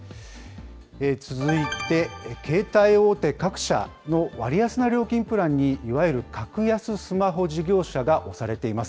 続いて、携帯大手各社の割安な料金プランにいわゆる格安スマホ事業者が押されています。